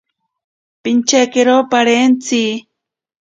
Pichekero parentsi.